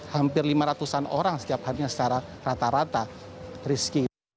hampir lima ratus an orang setiap harinya secara rata rata rizky